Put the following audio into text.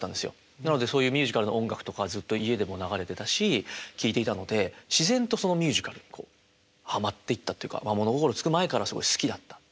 なのでそういうミュージカルの音楽とかはずっと家でも流れてたし聴いていたので自然とミュージカルにこうはまっていったというか物心つく前から好きだった。